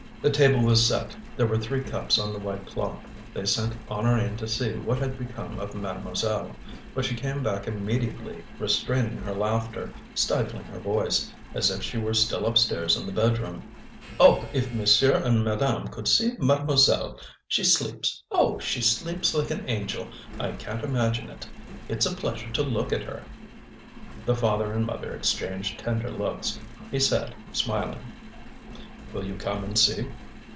The table was set; there were three cups on the white cloth. They sent Honorine to see what had become of mademoiselle. But she came back immediately, restraining her laughter, stifling her voice, as if she were still upstairs in the bedroom. "Oh! if monsieur and madame could see mademoiselle! She sleeps; oh! she sleeps like an angel. One can't imagine it! It's a pleasure to look at her." The father and mother exchanged tender looks. He said, smiling: "Will you come and see?"